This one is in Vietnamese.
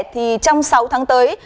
thì trong sáu tháng tới